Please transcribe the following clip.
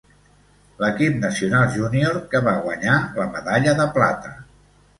L'equip nacional júnior que va guanyar la medalla de plata.